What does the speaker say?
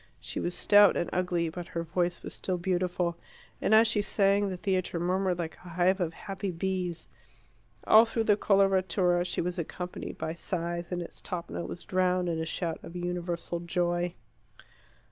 She was stout and ugly; but her voice was still beautiful, and as she sang the theatre murmured like a hive of happy bees. All through the coloratura she was accompanied by sighs, and its top note was drowned in a shout of universal joy.